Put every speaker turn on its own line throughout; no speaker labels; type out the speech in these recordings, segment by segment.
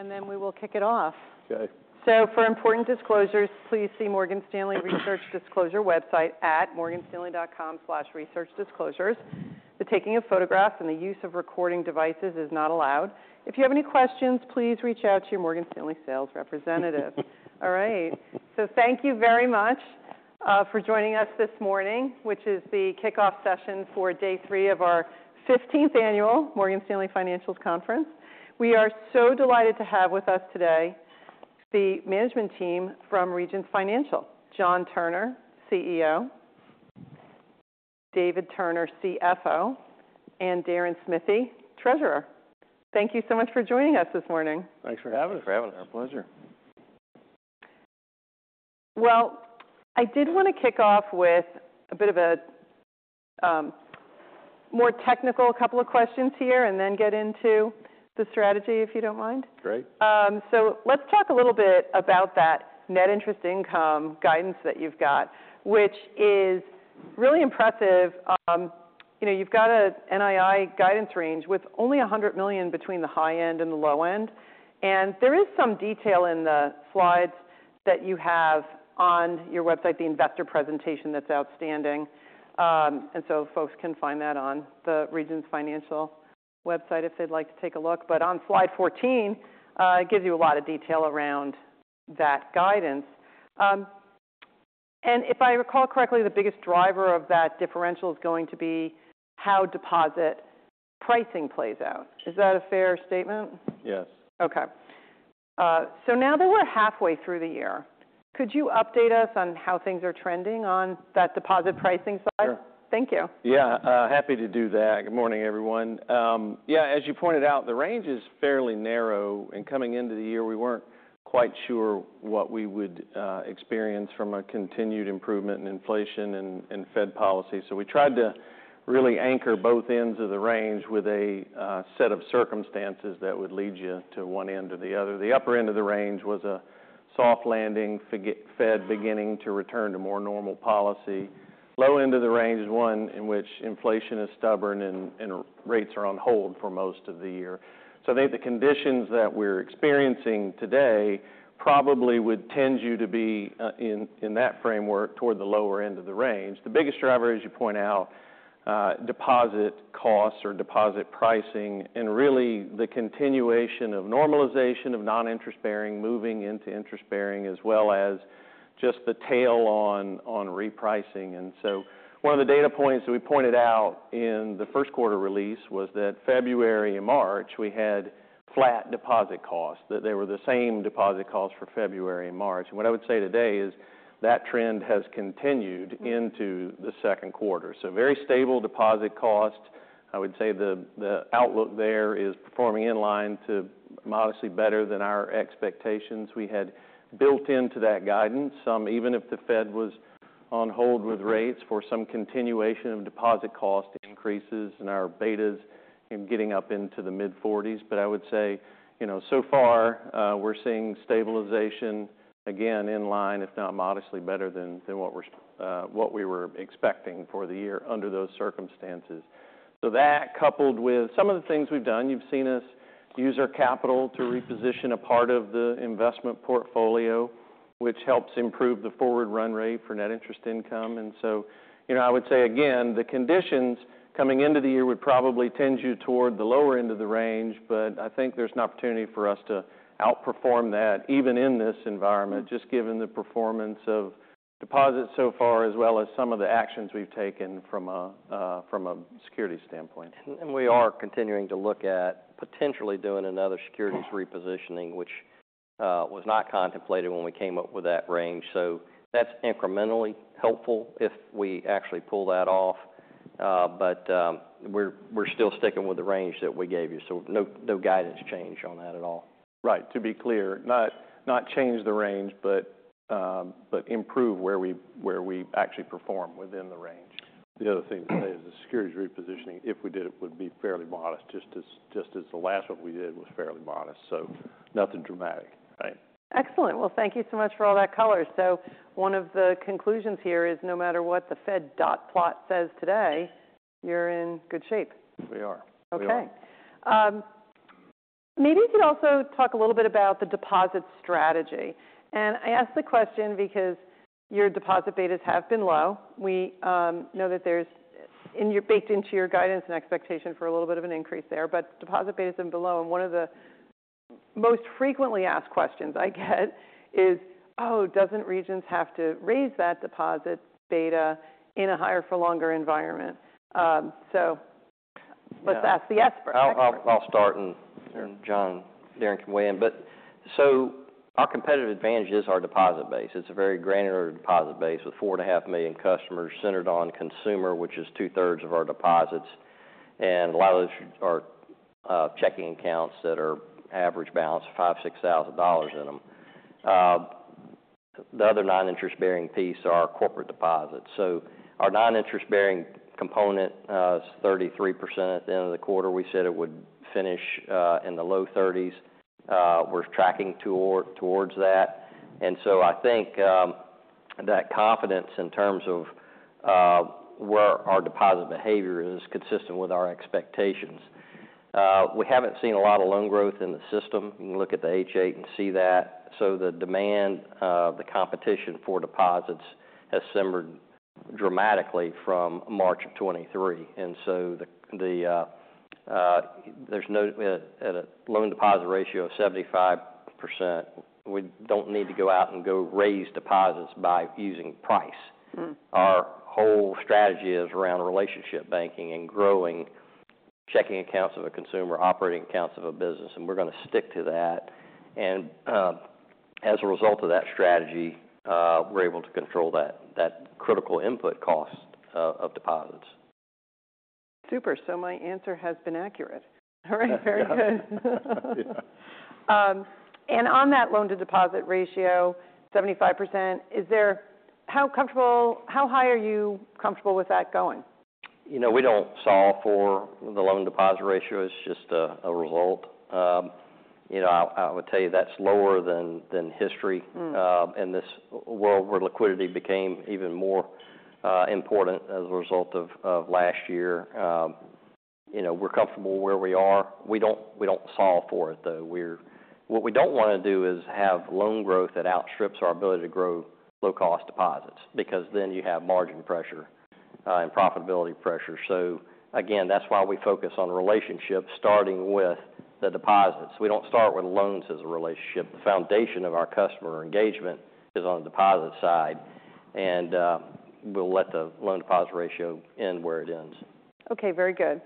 And then we will kick it off.
Okay.
For important disclosures, please see Morgan Stanley Research Disclosure website at morganstanley.com/researchdisclosures. The taking of photographs and the use of recording devices is not allowed. If you have any questions, please reach out to your Morgan Stanley sales representative. All right. Thank you very much for joining us this morning, which is the kickoff session for day three of our 15th annual Morgan Stanley financials conference. We are so delighted to have with us today the management team from Regions Financial: John Turner, CEO; David Turner, CFO; and Deron Smithy, Treasurer. Thank you so much for joining us this morning.
Thanks for having us.
Thanks for having us.
Our pleasure.
Well, I did want to kick off with a bit of a more technical couple of questions here and then get into the strategy, if you don't mind.
Great.
Let's talk a little bit about that net interest income guidance that you've got, which is really impressive. You've got an NII guidance range with only $100 million between the high end and the low end. There is some detail in the slides that you have on your website, the investor presentation that's outstanding. And so folks can find that on the Regions Financial website if they'd like to take a look. But on slide 14, it gives you a lot of detail around that guidance. If I recall correctly, the biggest driver of that differential is going to be how deposit pricing plays out. Is that a fair statement?
Yes.
Okay. Now that we're halfway through the year, could you update us on how things are trending on that deposit pricing side?
Sure.
Thank you.
Yeah. Happy to do that. Good morning, everyone. Yeah. As you pointed out, the range is fairly narrow. And coming into the year, we weren't quite sure what we would experience from a continued improvement in inflation and Fed policy. So we tried to really anchor both ends of the range with a set of circumstances that would lead you to one end or the other. The upper end of the range was a soft landing, Fed beginning to return to more normal policy. Low end of the range is one in which inflation is stubborn and rates are on hold for most of the year. I think the conditions that we're experiencing today probably would tend you to be in that framework toward the lower end of the range. The biggest driver, as you point out, deposit costs or deposit pricing and really the continuation of normalization of non-interest-bearing moving into interest-bearing as well as just the tail on repricing. So one of the data points that we pointed out in the first quarter release was that February and March, we had flat deposit costs, that they were the same deposit costs for February and March. What I would say today is that trend has continued into the second quarter. Very stable deposit costs. I would say the outlook there is performing in line to modestly better than our expectations. We had built into that guidance some, even if the Fed was on hold with rates for some continuation of deposit cost increases and our betas getting up into the mid-40s. But I would say so far we're seeing stabilization again in line, if not modestly better than what we were expecting for the year under those circumstances. That coupled with some of the things we've done, you've seen us use our capital to reposition a part of the investment portfolio, which helps improve the forward run rate for net interest income. I would say, again, the conditions coming into the year would probably tend you toward the lower end of the range. I think there's an opportunity for us to outperform that even in this environment, just given the performance of deposits so far as well as some of the actions we've taken from a securities standpoint.
We are continuing to look at potentially doing another securities repositioning, which was not contemplated when we came up with that range. That's incrementally helpful if we actually pull that off. But we're still sticking with the range that we gave you. No guidance change on that at all.
Right. To be clear, not change the range, but improve where we actually perform within the range.
The other thing to say is the securities repositioning, if we did it, would be fairly modest, just as the last one we did was fairly modest. So nothing dramatic.
Right.
Excellent. Well, thank you so much for all that color. So one of the conclusions here is no matter what the Fed dot plot says today, you're in good shape.
We are.
Okay. Maybe you could also talk a little bit about the deposit strategy. I ask the question because your deposit betas have been low. We know that there's baked into your guidance and expectation for a little bit of an increase there, but deposit betas have been below. One of the most frequently asked questions I get is, oh, doesn't Regions have to raise that deposit beta in a higher-for-longer environment? So let's ask the expert.
I'll start and John, Deron can weigh in. But so our competitive advantage is our deposit base. It's a very granular deposit base with 4.5 million customers centered on consumer, which is two-thirds of our deposits. A lot of those are checking accounts that are average balance of $5,000-$6,000 in them. The other non-interest bearing piece are corporate deposits. So our non-interest bearing component is 33% at the end of the quarter. We said it would finish in the low 30s. We're tracking towards that. And so I think that confidence in terms of where our deposit behavior is consistent with our expectations. We haven't seen a lot of loan growth in the system. You can look at the H.8 and see that. So the demand, the competition for deposits has simmered dramatically from March 2023. There's no loan deposit ratio of 75%. We don't need to go out and go raise deposits by using price. Our whole strategy is around relationship banking and growing checking accounts of a consumer, operating accounts of a business. We're going to stick to that. As a result of that strategy, we're able to control that critical input cost of deposits.
Super. My answer has been accurate. All right. Very good. On that loan-to-deposit ratio, 75%, how high are you comfortable with that going?
We don't solve for the loan-to-deposit ratio. It's just a result. I would tell you that's lower than history. In this world where liquidity became even more important as a result of last year, we're comfortable where we are. We don't solve for it, though. What we don't want to do is have loan growth that outstrips our ability to grow low-cost deposits because then you have margin pressure and profitability pressure. Again, that's why we focus on relationships starting with the deposits. We don't start with loans as a relationship. The foundation of our customer engagement is on the deposit side, and we'll let the loan-to-deposit ratio end where it ends.
Okay. Very good.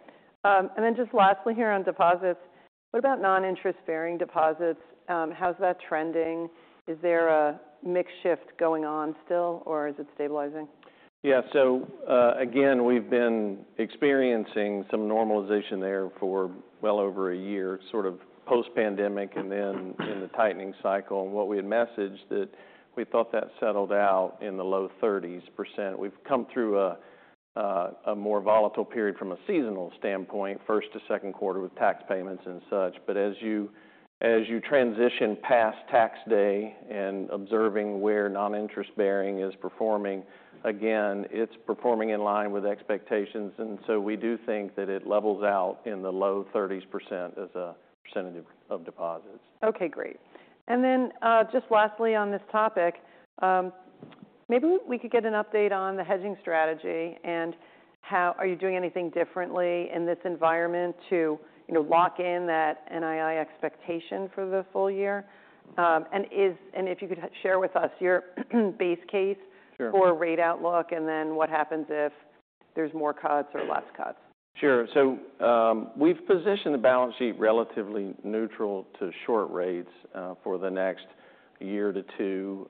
Just lastly here on deposits, what about non-interest bearing deposits? How's that trending? Is there a mixed shift going on still, or is it stabilizing?
Yeah. Again, we've been experiencing some normalization there for well over a year, sort of post-pandemic and then in the tightening cycle. What we had messaged that we thought that settled out in the low 30s%. We've come through a more volatile period from a seasonal standpoint, first to second quarter with tax payments and such. But as you transition past Tax Day and observing where non-interest bearing is performing, again, it's performing in line with expectations. So we do think that it levels out in the low 30s% as a percentage of deposits.
Okay. Great. Then just lastly on this topic, maybe we could get an update on the hedging strategy. Are you doing anything differently in this environment to lock in that NII expectation for the full year? If you could share with us your base case for rate outlook and then what happens if there's more cuts or less cuts?
Sure. We've positioned the balance sheet relatively neutral to short rates for the next one to two.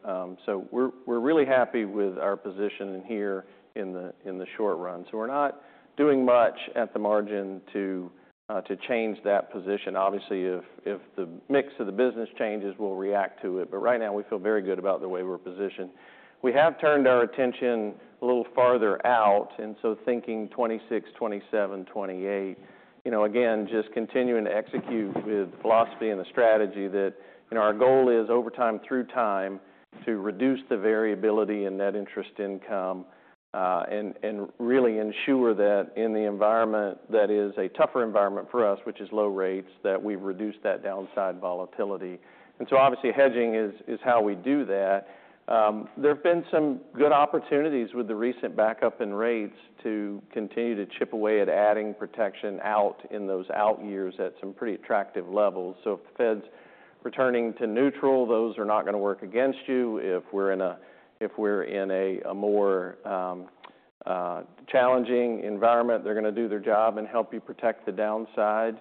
We're really happy with our position in here in the short run. We're not doing much at the margin to change that position. Obviously, if the mix of the business changes, we'll react to it. Right now, we feel very good about the way we're positioned. We have turned our attention a little farther out. And so thinking 2026, 2027, 2028. Again, just continuing to execute with the philosophy and the strategy that our goal is over time, through time, to reduce the variability in net interest income and really ensure that in the environment that is a tougher environment for us, which is low rates, that we've reduced that downside volatility. And so obviously, hedging is how we do that. There have been some good opportunities with the recent backup in rates to continue to chip away at adding protection out in those out years at some pretty attractive levels. So if the Fed's returning to neutral, those are not going to work against you. If we're in a more challenging environment, they're going to do their job and help you protect the downside.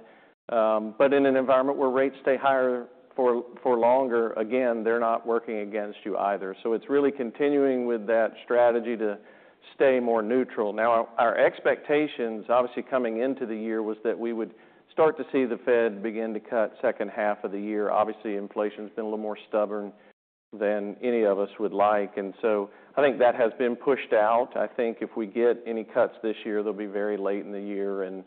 But in an environment where rates stay higher for longer, again, they're not working against you either. So it's really continuing with that strategy to stay more neutral. Now, our expectations, obviously, coming into the year was that we would start to see the Fed begin to cut second half of the year. Obviously, inflation has been a little more stubborn than any of us would like. And so I think that has been pushed out. I think if we get any cuts this year, they'll be very late in the year and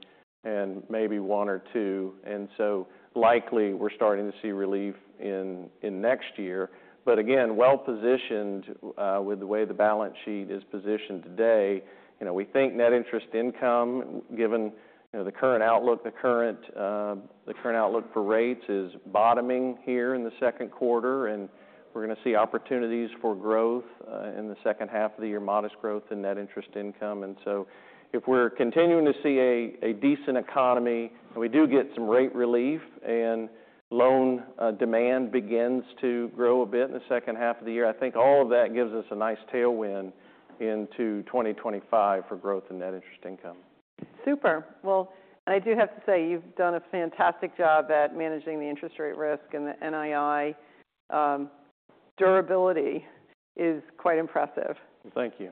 maybe one or two. And so likely, we're starting to see relief in next year. But again, well positioned with the way the balance sheet is positioned today, we think net interest income, given the current outlook, the current outlook for rates is bottoming here in the second quarter. We're going to see opportunities for growth in the second half of the year, modest growth in net interest income. And so if we're continuing to see a decent economy and we do get some rate relief and loan demand begins to grow a bit in the second half of the year, I think all of that gives us a nice tailwind into 2025 for growth in net interest income.
Super. Well, I do have to say you've done a fantastic job at managing the interest rate risk. The NII durability is quite impressive.
Thank you.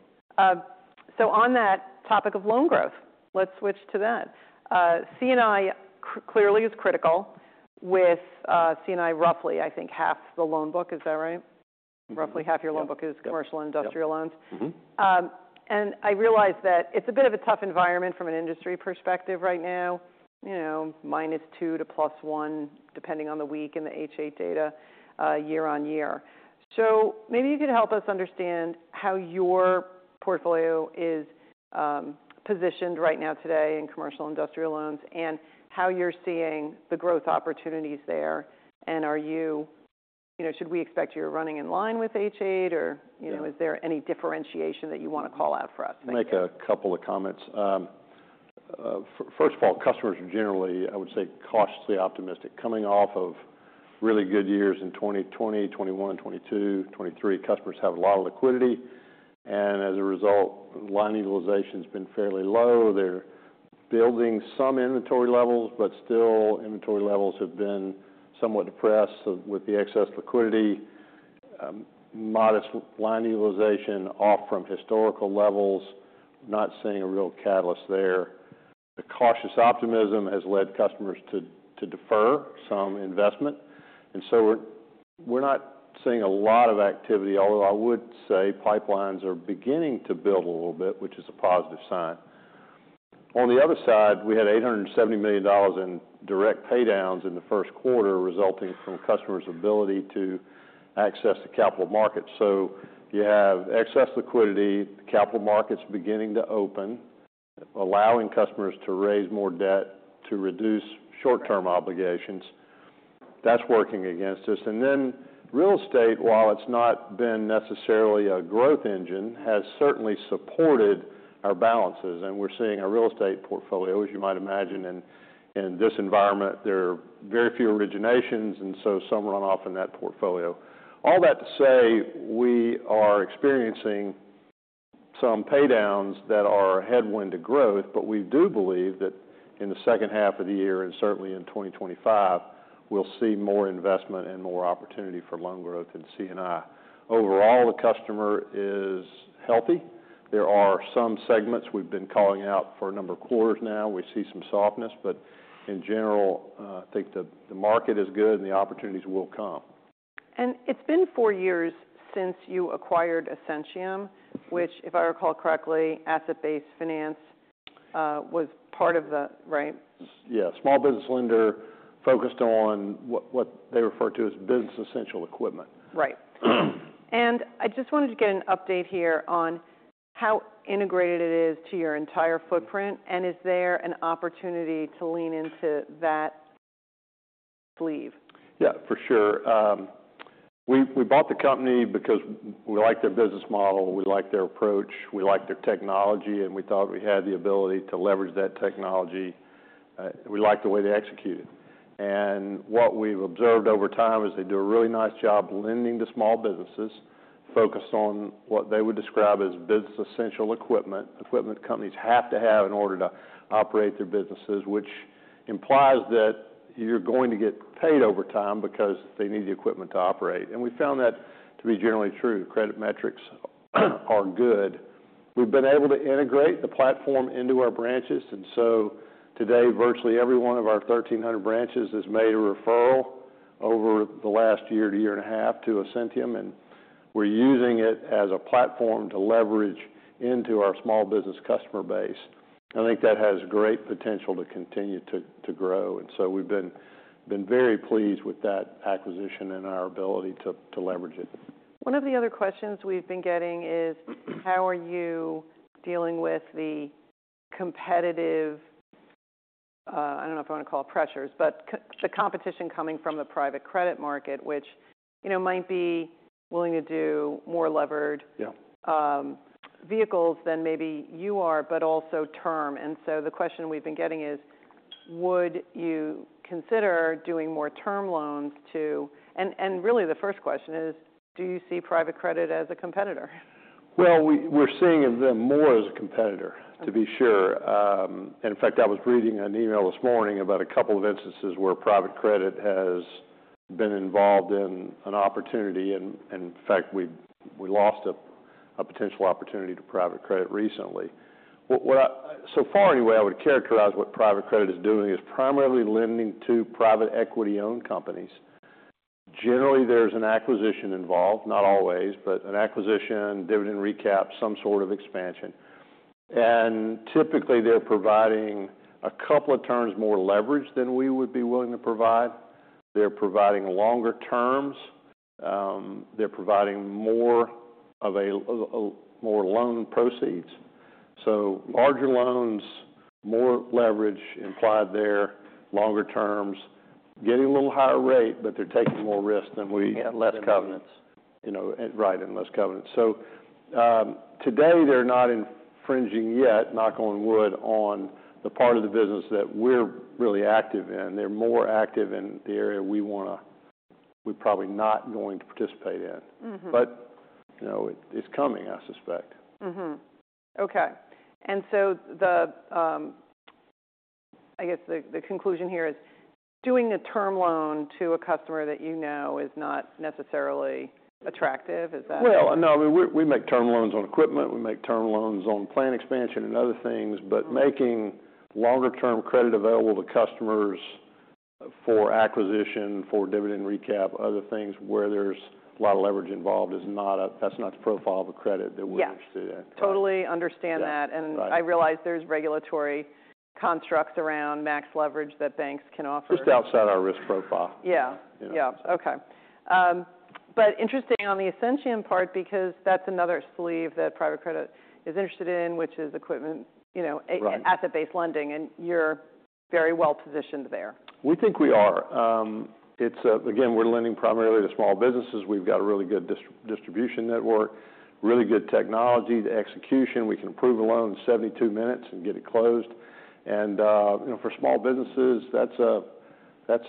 On that topic of loan growth, let's switch to that. C&I clearly is critical with C&I roughly, I think, half the loan book. Is that right? Roughly half your loan book is commercial industrial loans.
Yes.
I realize that it's a bit of a tough environment from an industry perspective right now, -2 to +1 depending on the week and the H.8 data year-over-year. Maybe you could help us understand how your portfolio is positioned right now today in commercial and industrial loans and how you're seeing the growth opportunities there. Should we expect you're running in line with H.8, or is there any differentiation that you want to call out for us?
Make a couple of comments. First of all, customers are generally, I would say, cautiously optimistic. Coming off of really good years in 2020, 2021, 2022, 2023, customers have a lot of liquidity. As a result, line utilization has been fairly low. They're building some inventory levels, but still inventory levels have been somewhat depressed with the excess liquidity. Modest line utilization off from historical levels, not seeing a real catalyst there. The cautious optimism has led customers to defer some investment. And so we're not seeing a lot of activity, although I would say pipelines are beginning to build a little bit, which is a positive sign. On the other side, we had $870 million in direct paydowns in the first quarter resulting from customers' ability to access the capital markets. So you have excess liquidity, capital markets beginning to open, allowing customers to raise more debt to reduce short-term obligations. That's working against us. And then real estate, while it's not been necessarily a growth engine, has certainly supported our balances. And we're seeing a real estate portfolio, as you might imagine. In this environment, there are very few originations, and so some runoff in that portfolio. All that to say, we are experiencing some paydowns that are a headwind to growth. We do believe that in the second half of the year and certainly in 2025, we'll see more investment and more opportunity for loan growth in C&I. Overall, the customer is healthy. There are some segments we've been calling out for a number of quarters now. We see some softness. But in general, I think the market is good and the opportunities will come.
It's been four years since you acquired Ascentium, which, if I recall correctly, asset-based finance was part of the, right?
Yeah. Small business lender focused on what they refer to as business-essential equipment.
Right. I just wanted to get an update here on how integrated it is to your entire footprint. Is there an opportunity to lean into that sleeve?
Yeah, for sure. We bought the company because we liked their business model. We liked their approach. We liked their technology. And we thought we had the ability to leverage that technology. We liked the way they executed. And what we've observed over time is they do a really nice job lending to small businesses focused on what they would describe as business-essential equipment, equipment companies have to have in order to operate their businesses, which implies that you're going to get paid over time because they need the equipment to operate, and we found that to be generally true. Credit metrics are good. We've been able to integrate the platform into our branches. Today, virtually every one of our 1,300 branches has made a referral over the last year to year and a half to Ascentium. We're using it as a platform to leverage into our small business customer base. I think that has great potential to continue to grow. So we've been very pleased with that acquisition and our ability to leverage it.
One of the other questions we've been getting is how are you dealing with the competitive-I don't know if I want to call it pressures-but the competition coming from the private credit market, which might be willing to do more levered vehicles than maybe you are, but also term. The question we've been getting is, would you consider doing more term loans to-and really the first question is, do you see private credit as a competitor?
Well, we're seeing them more as a competitor, to be sure. In fact, I was reading an email this morning about a couple of instances where private credit has been involved in an opportunity. And in fact, we lost a potential opportunity to private credit recently. So far, anyway, I would characterize what private credit is doing as primarily lending to private equity-owned companies. Generally, there's an acquisition involved, not always, but an acquisition, dividend recap, some sort of expansion. Typically, they're providing a couple of turns more leverage than we would be willing to provide. They're providing longer terms. They're providing more loan proceeds. So larger loans, more leverage implied there, longer terms, getting a little higher rate, but they're taking more risk than we expect.
Less covenants.
Right. Less covenants. Today, they're not infringing yet, knock on wood, on the part of the business that we're really active in. They're more active in the area we probably are not going to participate in, but it's coming, I suspect.
Okay. I guess the conclusion here is doing a term loan to a customer that you know is not necessarily attractive. Is that?
Well, no. I mean, we make term loans on equipment. We make term loans on plant expansion and other things. But making longer-term credit available to customers for acquisition, for dividend recap, other things where there's a lot of leverage involved, that's not the profile of a credit that we're interested in.
Yeah. Totally understand that. I realize there's regulatory constructs around max leverage that banks can offer.
Just outside our risk profile.
Yeah. Yeah. Okay. But interesting on the Ascentium part because that's another sleeve that private credit is interested in, which is equipment asset-based lending. And you're very well positioned there.
We think we are. Again, we're lending primarily to small businesses. We've got a really good distribution network, really good technology to execution. We can approve a loan in 72 minutes and get it closed. And for small businesses, that's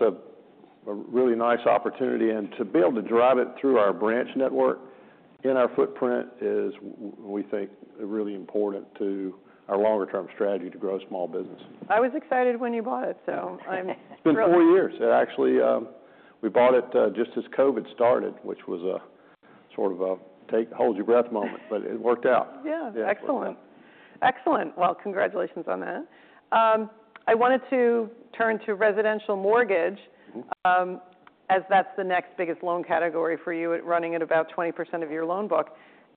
a really nice opportunity. And to be able to drive it through our branch network in our footprint is, we think, really important to our longer-term strategy to grow small business.
I was excited when you bought it, so I'm thrilled.
It's been four years. Actually, we bought it just as COVID started, which was sort of a hold-your-breath moment. But it worked out.
Yeah. Excellent. Excellent. Well, congratulations on that. I wanted to turn to residential mortgage as that's the next biggest loan category for you running at about 20% of your loan book.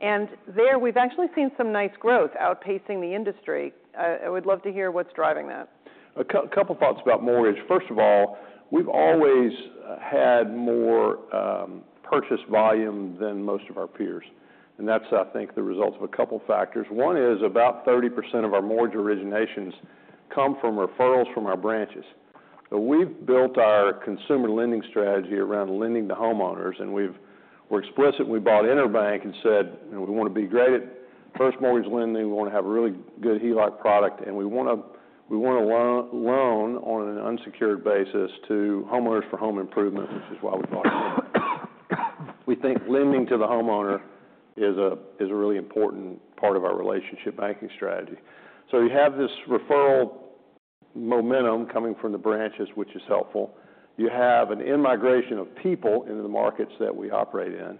And there, we've actually seen some nice growth outpacing the industry. I would love to hear what's driving that.
A couple of thoughts about mortgage. First of all, we've always had more purchase volume than most of our peers. That's, I think, the result of a couple of factors. One is about 30% of our mortgage originations come from referrals from our branches. But we've built our consumer lending strategy around lending to homeowners, and we're explicit. We bought EnerBank and said, "We want to be great at first mortgage lending. We want to have a really good HELOC product. And we want to loan on an unsecured basis to homeowners for home improvement," which is why we bought EnerBank. We think lending to the homeowner is a really important part of our relationship banking strategy. So you have this referral momentum coming from the branches, which is helpful. You have an in-migration of people into the markets that we operate in.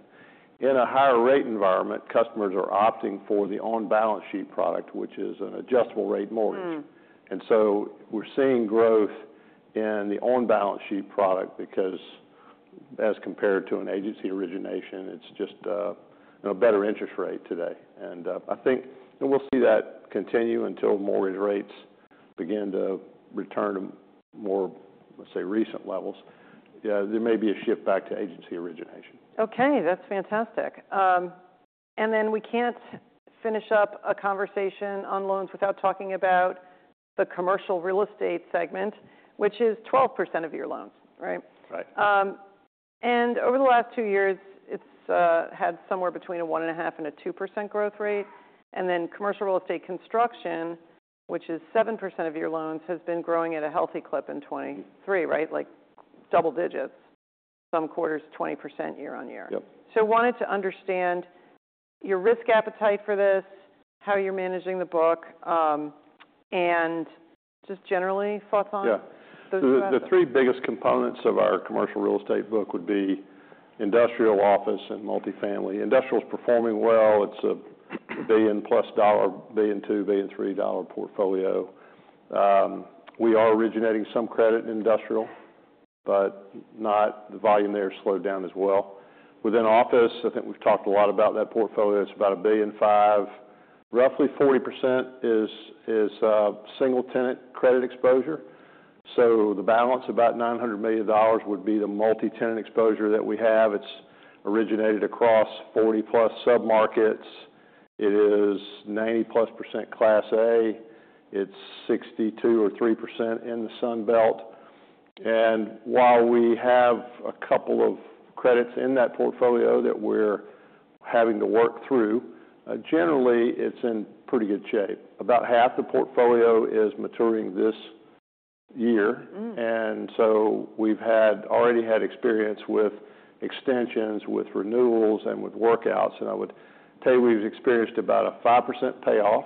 In a higher-rate environment, customers are opting for the on-balance sheet product, which is an adjustable-rate mortgage. We're seeing growth in the on-balance sheet product because, as compared to an agency origination, it's just a better interest rate today. And I think we'll see that continue until mortgage rates begin to return to more, let's say, recent levels. There may be a shift back to agency origination.
Okay. That's fantastic. And then we can't finish up a conversation on loans without talking about the commercial real estate segment, which is 12% of your loans, right?
Right.
Over the last two years, it's had somewhere between a 1.5% and a 2% growth rate. Then commercial real estate construction, which is 7% of your loans, has been growing at a healthy clip in 2023, right? Like double digits, some quarters 20% year-on-year. I wanted to understand your risk appetite for this, how you're managing the book, and just generally thoughts on those questions.
Yeah. The three biggest components of our commercial real estate book would be industrial, office, and multifamily. Industrial is performing well. It's a $1+ billion, $1.2 billion, $1.3 billion dollar portfolio. We are originating some credit in industrial, but the volume there has slowed down as well. Within office, I think we've talked a lot about that portfolio. It's about $1.5 billion. Roughly 40% is single-tenant credit exposure. So the balance of about $900 million would be the multi-tenant exposure that we have. It's originated across 40+ sub-markets. It is 90+% Class A. It's 62%-63% in the Sun Belt. While we have a couple of credits in that portfolio that we're having to work through, generally, it's in pretty good shape. About half the portfolio is maturing this year. And so we've already had experience with extensions, with renewals, and with workouts. I would tell you we've experienced about a 5% payoff.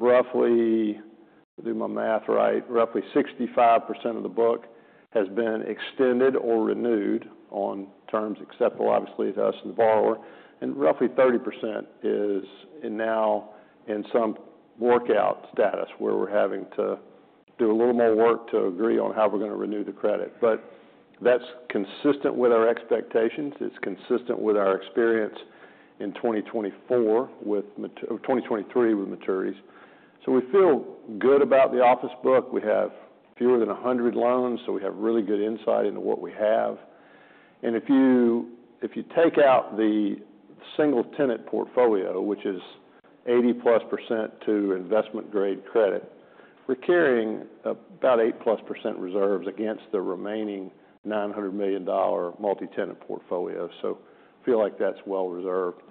Roughly, if I do my math right, roughly 65% of the book has been extended or renewed on terms acceptable, obviously, to us and the borrower. Roughly 30% is now in some workout status where we're having to do a little more work to agree on how we're going to renew the credit. But that's consistent with our expectations. It's consistent with our experience in 2024 or 2023 with maturities. We feel good about the office book. We have fewer than 100 loans. We have really good insight into what we have. If you take out the single-tenant portfolio, which is 80+% to investment-grade credit, we're carrying about 8+% reserves against the remaining $900 million multi-tenant portfolio. I feel like that's well reserved.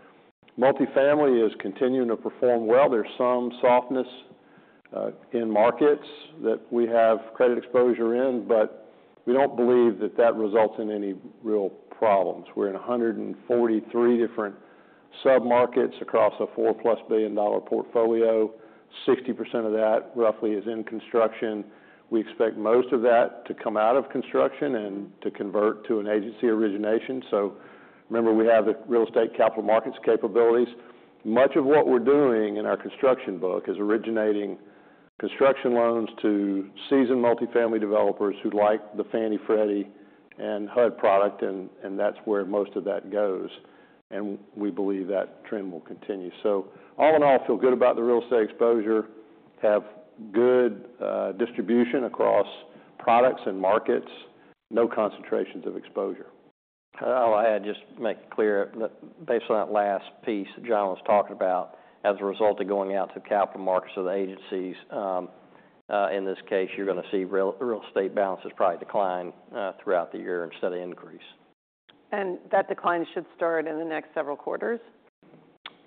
Multifamily is continuing to perform well. There's some softness in markets that we have credit exposure in. But we don't believe that that results in any real problems. We're in 143 different sub-markets across a $4+ billion portfolio. Roughly 60% of that is in construction. We expect most of that to come out of construction and to convert to an agency origination. So remember, we have the real estate capital markets capabilities. Much of what we're doing in our construction book is originating construction loans to seasoned multifamily developers who like the Fannie, Freddie, and HUD product. And that's where most of that goes. And we believe that trend will continue. So all in all, feel good about the real estate exposure. Have good distribution across products and markets. No concentrations of exposure.
I'll add, just make it clear, based on that last piece that John was talking about, as a result of going out to capital markets or the agencies, in this case, you're going to see real estate balances probably decline throughout the year instead of increase.
That decline should start in the next several quarters?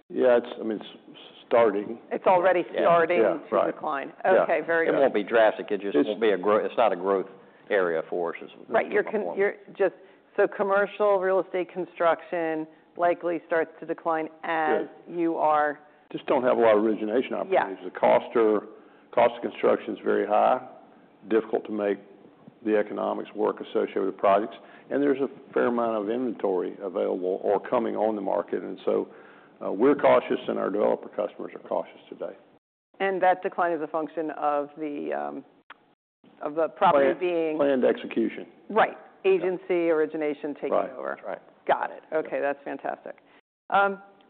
Yeah. I mean, it's starting.
It's already starting to decline. Okay. Very good.
It won't be drastic. It's not a growth area for us.
Right. So commercial real estate construction likely starts to decline as you are.
Just don't have a lot of origination opportunities. The cost of construction is very high. Difficult to make the economics work associated with the projects. There's a fair amount of inventory available or coming on the market. So we're cautious, and our developer customers are cautious today.
That decline is a function of the property being.
Planned. Planned execution.
Right. Agency origination taking over.
Right. Right.
Got it. Okay. That's fantastic.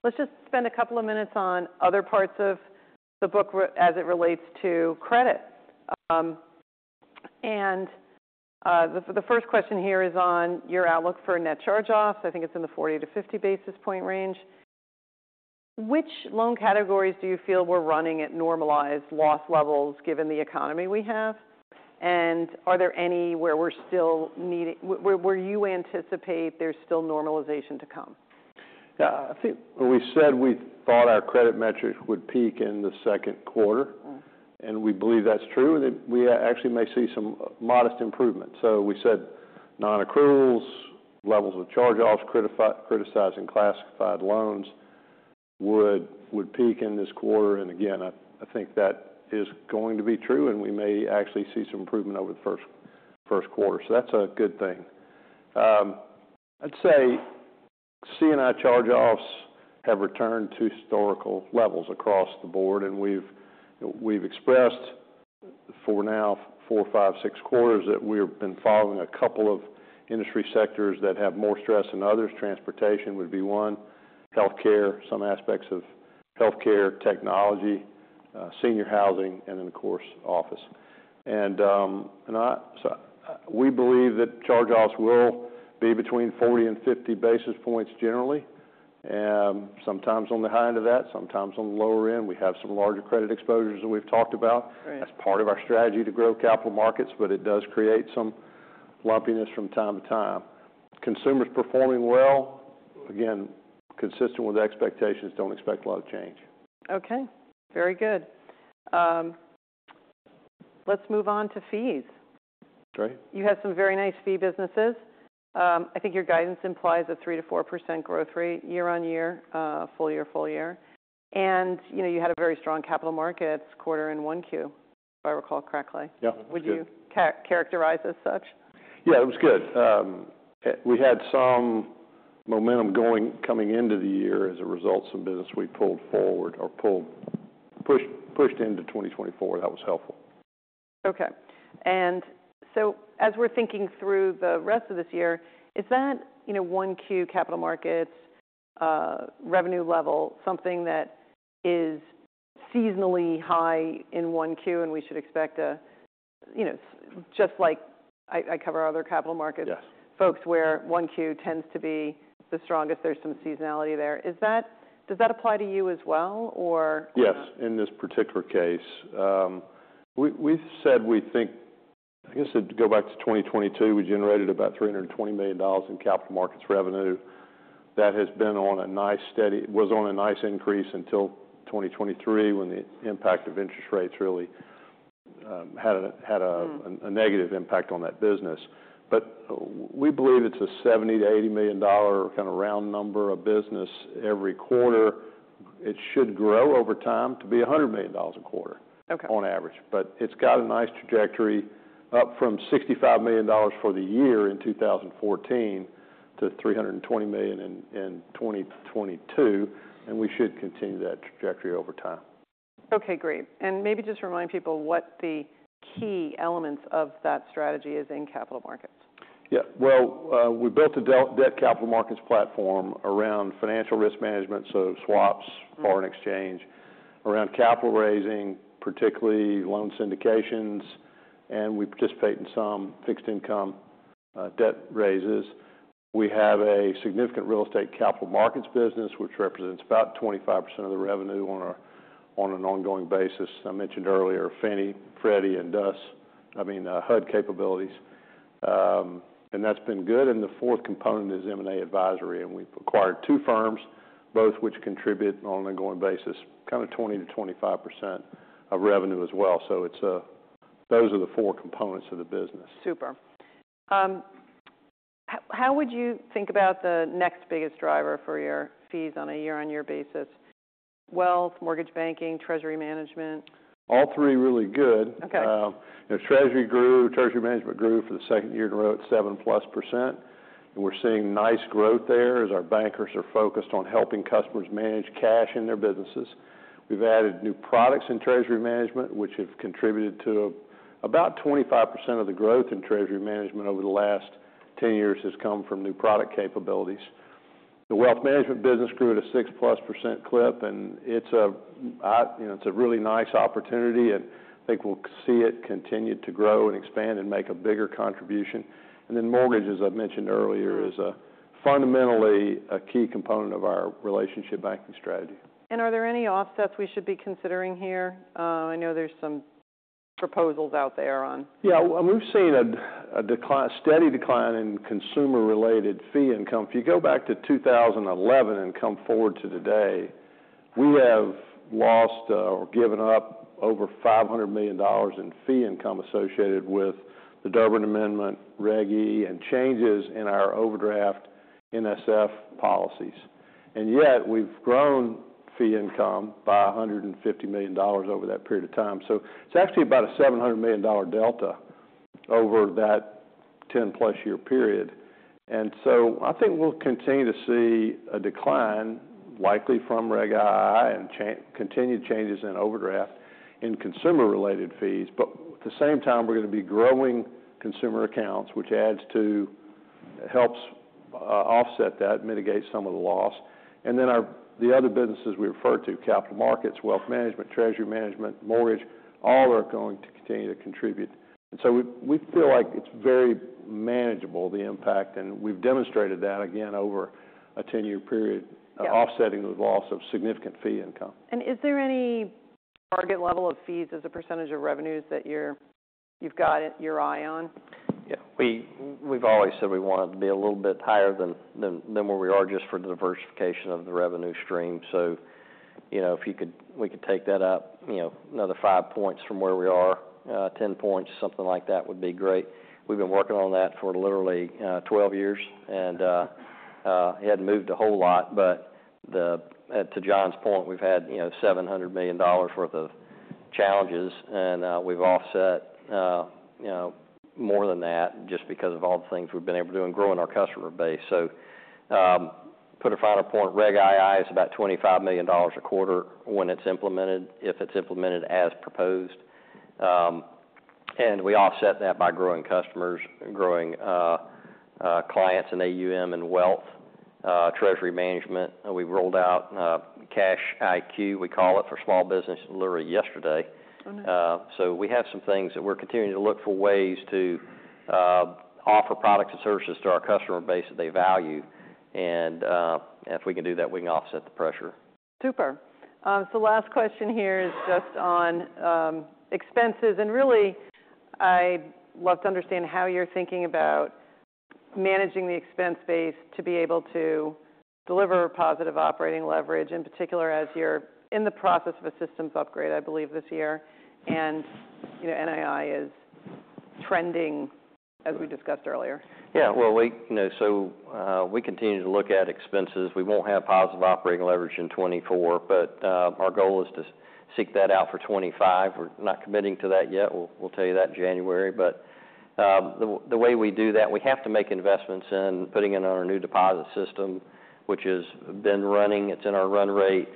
Let's just spend a couple of minutes on other parts of the book as it relates to credit. The first question here is on your outlook for net charge-offs. I think it's in the 40-50 basis point range. Which loan categories do you feel we're running at normalized loss levels given the economy we have? Are there any where we're still needing where you anticipate there's still normalization to come?
Yeah. I think we said we thought our credit metrics would peak in the second quarter, and we believe that's true. We actually may see some modest improvement. So we said non-accruals, levels of charge-offs, criticized classified loans would peak in this quarter. AAnd again, I think that is going to be true. And we may actually see some improvement over the first quarter. So that's a good thing. I'd say C&I charge-offs have returned to historical levels across the board. And we've expressed for now 4, 5, 6 quarters that we have been following a couple of industry sectors that have more stress than others. Transportation would be one. Healthcare, some aspects of healthcare technology, senior housing, and then, of course, office. We believe that charge-offs will be between 40 and 50 basis points generally. Sometimes on the high end of that, sometimes on the lower end. We have some larger credit exposures that we've talked about as part of our strategy to grow capital markets. But it does create some lumpiness from time to time. Consumers performing well, again, consistent with expectations. Don't expect a lot of change.
Okay. Very good. Let's move on to fees. You have some very nice fee businesses. I think your guidance implies a 3%-4% growth rate year-over-year, full year, full year. You had a very strong capital markets quarter in 1Q, if I recall correctly. Would you characterize as such?
Yeah. It was good. We had some momentum coming into the year as a result of some business we pulled forward or pushed into 2024. That was helpful.
Okay. So as we're thinking through the rest of this year, is that 1Q capital markets revenue level something that is seasonally high in 1Q and we should expect a just like I cover other capital markets folks where 1Q tends to be the strongest? There's some seasonality there. Does that apply to you as well, or?
Yes. In this particular case, we've said we think, I guess it'd go back to 2022. We generated about $320 million in capital markets revenue. That has been on a nice increase until 2023 when the impact of interest rates really had a negative impact on that business. But we believe it's a $70-$80 million kind of round number of business every quarter. It should grow over time to be $100 million a quarter on average. But it's got a nice trajectory up from $65 million for the year in 2014 to $320 million in 2022. And we should continue that trajectory over time.
Okay. Great. Maybe just remind people what the key elements of that strategy is in capital markets.
Yeah. Well, we built a debt capital markets platform around financial risk management, so swaps, foreign exchange, around capital raising, particularly loan syndications. And we participate in some fixed income debt raises. We have a significant real estate capital markets business, which represents about 25% of the revenue on an ongoing basis. I mentioned earlier Fannie Mae, Freddie Mac and DUS, I mean, HUD capabilities, and that's been good. The fourth component is M&A advisory. And we've acquired two firms, both of which contribute on an ongoing basis, kind of 20%-25% of revenue as well. So those are the four components of the business.
Super. How would you think about the next biggest driver for your fees on a year-on-year basis? Wealth, mortgage banking, treasury management?
All three really good. Treasury grew. Treasury management grew for the second year in a row at 7%+. We're seeing nice growth there as our bankers are focused on helping customers manage cash in their businesses. We've added new products in treasury management, which have contributed to about 25% of the growth in treasury management over the last 10 years has come from new product capabilities. The wealth management business grew at a 6%+ clip. It's a really nice opportunity. I think we'll see it continue to grow and expand and make a bigger contribution. Then mortgages, as I mentioned earlier, is fundamentally a key component of our relationship banking strategy.
Are there any offsets we should be considering here? I know there's some proposals out there on.
Yeah. We've seen a steady decline in consumer-related fee income. If you go back to 2011 and come forward to today, we have lost or given up over $500 million in fee income associated with the Durbin Amendment, Reg II, and changes in our overdraft NSF policies. And yet, we've grown fee income by $150 million over that period of time. So it's actually about a $700 million delta over that 10+ year period. I think we'll continue to see a decline, likely from Reg II and continued changes in overdraft in consumer-related fees. At the same time, we're going to be growing consumer accounts, which helps offset that, mitigate some of the loss. The other businesses we refer to, capital markets, wealth management, treasury management, mortgage, all are going to continue to contribute. And so we feel like it's very manageable, the impact. We've demonstrated that again over a 10-year period, offsetting the loss of significant fee income.
Is there any target level of fees as a percentage of revenues that you've got your eye on?
Yeah. We've always said we want it to be a little bit higher than where we are just for diversification of the revenue stream. So if we could take that up another 5 points from where we are, 10 points, something like that would be great. We've been working on that for literally 12 years. And it hadn't moved a whole lot. But to John's point, we've had $700 million worth of challenges. We've offset more than that just because of all the things we've been able to do in growing our customer base. So to put a finer point, Reg II is about $25 million a quarter when it's implemented, if it's implemented as proposed. We offset that by growing clients in AUM and wealth, treasury management. We've rolled out CashFlowIQ, we call it, for small business literally yesterday. We have some things that we're continuing to look for ways to offer products and services to our customer base that they value. If we can do that, we can offset the pressure.
Super. So last question here is just on expenses. Really, I'd love to understand how you're thinking about managing the expense base to be able to deliver positive operating leverage, in particular as you're in the process of a systems upgrade, I believe, this year. And NII is trending, as we discussed earlier.
Yeah. Well, so we continue to look at expenses. We won't have positive operating leverage in 2024. But our goal is to seek that out for 2025. We're not committing to that yet. We'll tell you that in January, but the way we do that, we have to make investments in putting in our new deposit system, which has been running. It's in our run rate.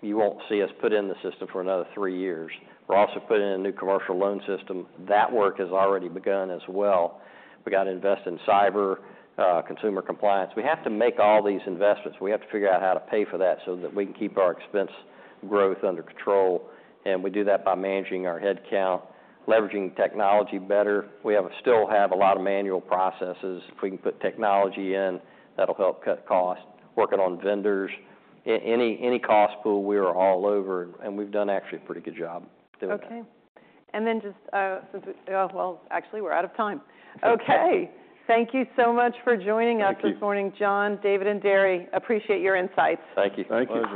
You won't see us put in the system for another three years. We're also putting in a new commercial loan system. That work has already begun as well. We got to invest in cyber, consumer compliance. We have to make all these investments. We have to figure out how to pay for that so that we can keep our expense growth under control. We do that by managing our headcount, leveraging technology better. We still have a lot of manual processes. If we can put technology in, that'll help cut costs. Working on vendors. Any cost pool, we are all over. We've done actually a pretty good job doing that.
Okay. And then just, well, actually, we're out of time. Okay. Thank you so much for joining us this morning, John, David, and Deron. Appreciate your insights.
Thank you.
Thank you.